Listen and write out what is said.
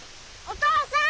お父さん！